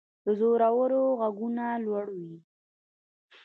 د زړورو ږغونه لوړ وي.